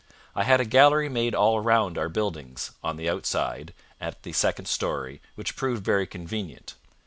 I had a gallery made all round our buildings, on the outside, at the second storey, which proved very convenient.